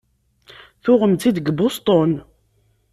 Tuɣem-tt-id deg Boston?